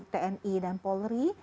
tni dan polri